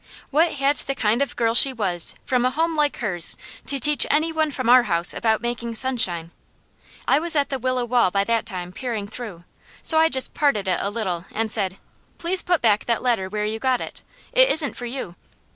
What had the kind of girl she was, from a home like hers, to teach any one from our house about making sunshine? I was at the willow wall by that time peering through, so I just parted it a little and said: "Please put back that letter where you got it. It isn't for you."